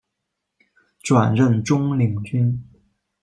转任中领军。